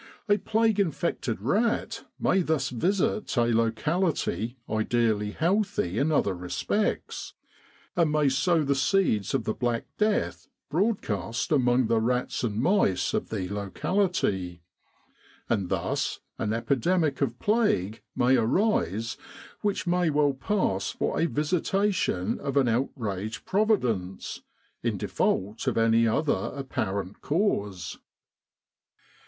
A plague infected rat may thus visit a locality ideally healthy in other respects; and may sow the seeds of the Black Death broadcast among the rats and mice of the locality ; and thus an epidemic of plague may arise which may well pass for a visitation of an out raged Providence, in default of any other apparent cause.